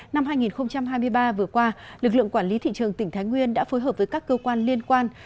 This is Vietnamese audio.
năm hai nghìn hai mươi ba vừa qua lực lượng quản lý thị trường tỉnh thái nguyên đã phối hợp với các cơ quan liên quan